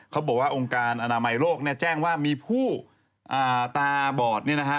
เขาบอกว่าองค์การอนามัยโรคเนี่ยแจ้งว่ามีผู้ตาบอดเนี่ยนะฮะ